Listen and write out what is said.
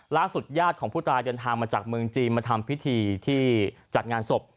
ล่าสุดยาดของผู้ตายันทางมาจากเมืองจีนมาทำพิธีจัดงานศพ